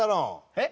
えっ？